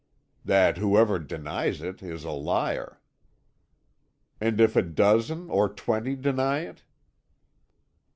"That whoever denies it is a liar." "And if a dozen or twenty deny it?"